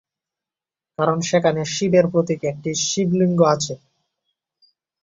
কারণ, সেখানে শিবের প্রতীক একটি শিবলিঙ্গ আছে।